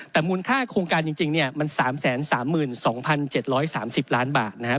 แต่มูลค่าโครงการจริงเนี่ยมัน๓๓๒๗๓๐ล้านบาทนะครับ